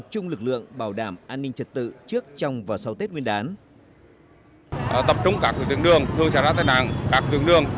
cùng lực lượng bảo đảm an ninh chật tự trước trong và sau tết nguyên đán